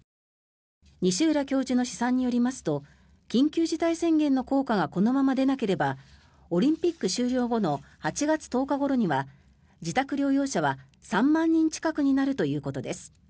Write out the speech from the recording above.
西浦教授の試算によりますと緊急事態宣言の効果がこのまま出なければオリンピック終了後の８月１０日ごろには自宅療養者は３万人近くになるということです。